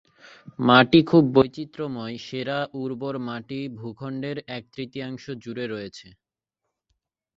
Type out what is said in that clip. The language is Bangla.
মাটি খুব বৈচিত্র্যময়, সেরা উর্বর মাটি ভূখণ্ডের এক-তৃতীয়াংশ জুড়ে রয়েছে।